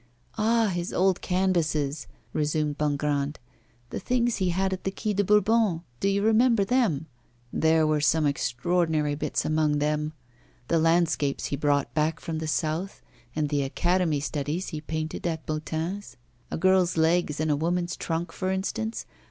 'Ah! his old canvases,' resumed Bongrand, 'the things he had at the Quai de Bourbon, do you remember them? There were some extraordinary bits among them. The landscapes he brought back from the south and the academy studies he painted at Boutin's a girl's legs and a woman's trunk, for instance.